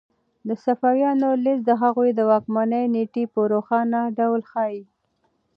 د صفویانو لیست د هغوی د واکمنۍ نېټې په روښانه ډول ښيي.